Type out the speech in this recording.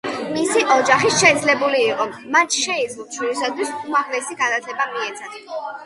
მისი ოჯახი შეძლებული იყო, მათ შეეძლოთ შვილისთვის უმაღლესი განათლება მიეცათ.